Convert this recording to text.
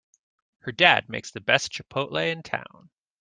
Her dad makes the best chipotle in town!